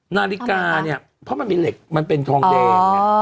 นาฬิกามันมีเหล็กมันเป็นทองแดง